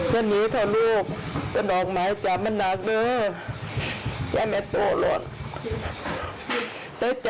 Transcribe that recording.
จะหนีท้าลูกจะนอกไม้จำนักเลยแต่ไม่ตัวล่ะ